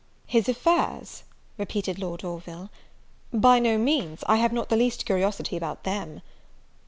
"His affairs!" repeated Lord Orville; "by no means, I have not the least curiosity about them."